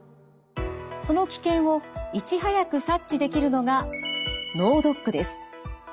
その危険をいち早く察知できるのが脳ドックです。